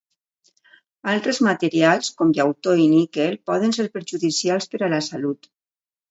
Altres materials, com llautó i níquel, poden ser perjudicials per a la salut.